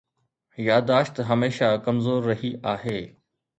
ياداشت هميشه ڪمزور رهي آهي.